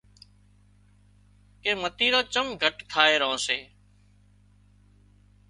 ڪي متريران چم گھٽ ٿائي ران سي